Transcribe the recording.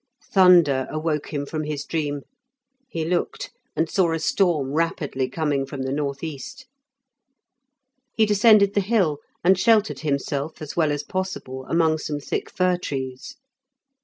Thunder awoke him from his dream; he looked, and saw a storm rapidly coming from the north east. He descended the hill, and sheltered himself as well as possible among some thick fir trees.